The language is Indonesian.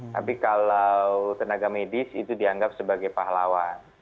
tapi kalau tenaga medis itu dianggap sebagai pahlawan